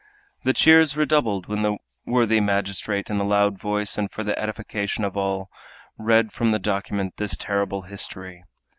The cheers redoubled when the worthy magistrate, in a loud voice, and for the edification of all, read from the document this terrible history.